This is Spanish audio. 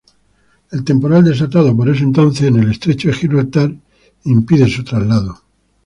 El temporal desatado por ese entonces en el Estrecho de Gibraltar impide su traslado.